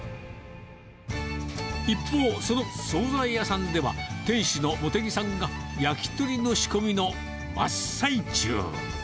一方、その総菜屋さんでは、店主の茂木さんが焼き鳥の仕込みの真っ最中。